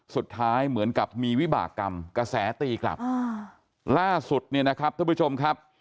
สุดท้ายเหมือนกับมีวิบากรรมกระแสตีกลับล่าสุดเนี่ยนะครับท่านผู้ชมครับ